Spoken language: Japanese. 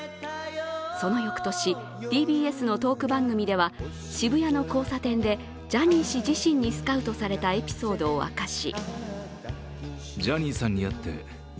その翌年、ＴＢＳのトーク番組では渋谷の交差点でジャニー氏自身にスカウトされたエピソードを明かし